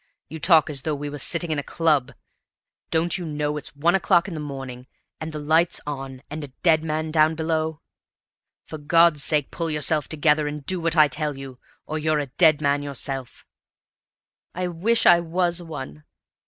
You talk as though we were sitting in a club; don't you know it's one o'clock in the morning, and the lights on, and a dead man down below? For God's sake pull yourself together, and do what I tell you, or you're a dead man yourself." "I wish I was one!"